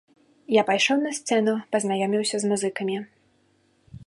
Я пайшоў на сцэну, пазнаёміўся з музыкамі.